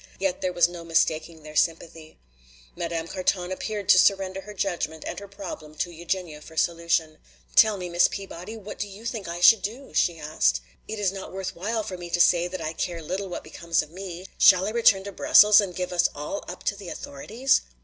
Yet there was no mistaking their sympathy. Madame Carton appeared to surrender her judgment and her problem to Eugenia for solution. "Tell me, Miss Peabody, what do you think I should do?" she asked. "It is not worth while for me to say that I care little what becomes of me. Shall I return to Brussels and give us all up to the authorities?"